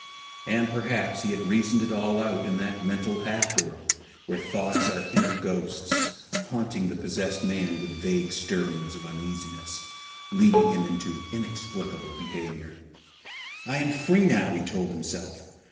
And perhaps he had reasoned it all out in that mental half world where thoughts are inner ghosts, haunting the possessed man with vague stirrings of uneasiness, leading him into inexplicable behaviour. I am free now, he told himself.